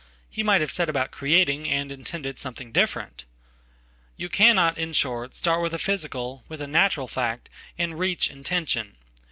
He might have set about creating andintended something different. You Cannot, in short, start with aphysical, with a natural fact, and reach intention.